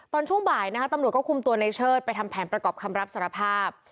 ช่วงบ่ายนะคะตำรวจก็คุมตัวในเชิดไปทำแผนประกอบคำรับสารภาพ